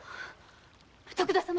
徳田様